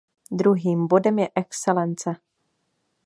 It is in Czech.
Druhým bodem je excelence.